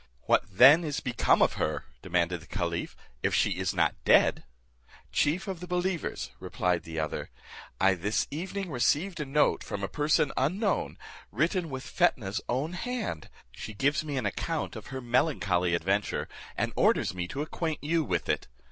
"What then is become of her," demanded the caliph, "if she is not dead?" "Chief of the believers," replied the other, "I this evening received a note from a person unknown, written with Fetnah's own hand; she gives me an account of her melancholy adventure, and orders me to acquaint you with it.